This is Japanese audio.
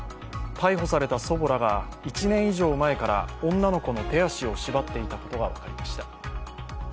逮捕された祖母らが１年以上前から女の子の手足を縛っていたことが分かりました。